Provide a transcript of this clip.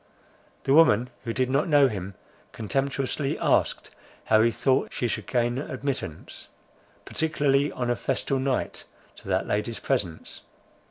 The woman, who did not know him, contemptuously asked, how he thought she should gain admittance, particularly on a festal night, to that lady's presence?